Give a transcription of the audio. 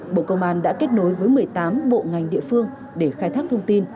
bộ công an đã kết nối với một mươi tám bộ ngành địa phương để khai thác thông tin